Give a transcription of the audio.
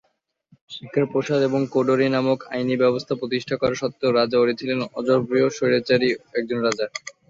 শিক্ষার প্রসার এবং "কোড অঁরি" নামক আইনি ব্যবস্থা প্রতিষ্ঠা করা সত্বেও, রাজা অঁরি ছিলেন অজনপ্রিয়, স্বৈরাচারী একজন রাজা।